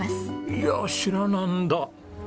いや知らなんだ。